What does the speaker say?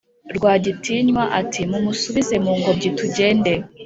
rwagitinywa ati"mumusubize mungobyi tugende"